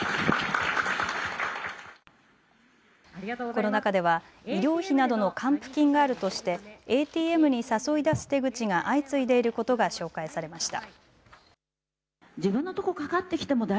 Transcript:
この中では医療費などの還付金があるとしてＡＴＭに誘い出す手口が相次いでいることが紹介されました。